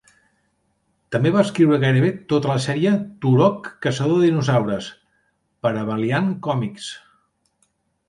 També va escriure gairebé tota la sèrie "Turok: Caçador de dinosaures" per a Valiant Comics.